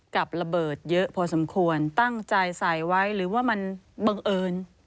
กับระเบิดเยอะพอสมควรตั้งใจใส่ไว้หรือว่ามันบังเอิญ